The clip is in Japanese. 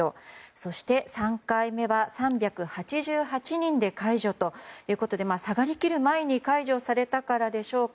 そして、３回目は３８８人で解除ということで下がりきる前に解除されたからでしょうか